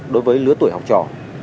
đối với lứa tuổi học trò